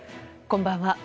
こんばんは。